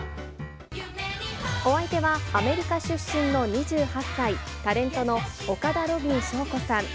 お相手は、アメリカ出身の２８歳、タレントの岡田ロビン翔子さん。